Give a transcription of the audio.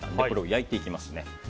これを焼いていきますね。